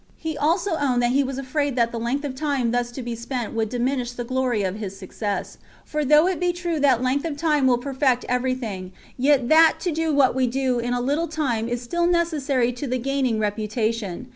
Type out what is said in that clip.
He also owned that he was afraid that the length of time thus to be spent would diminish the glory of his success; for though it be true that length of time will perfect every thing, yet that to do what we do in a little time is still necessary to the gaining reputation.